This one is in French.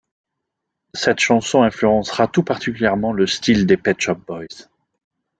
Cette chanson influencera tout particulièrement le style des Pet Shop Boys.